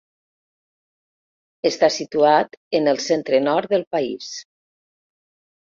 Està situat en el centre nord del país.